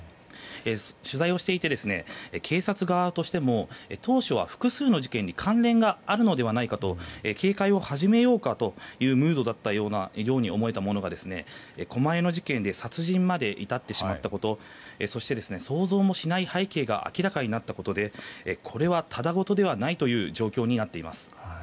取材をしていて、警察側としても当初は複数の事件に関連があるのではないかと警戒を始めようかというムードだったように思えたものが狛江の事件で殺人まで至ってしまったことそして、想像もしない背景が明らかになったことでこれは、ただ事ではないという状況になっています。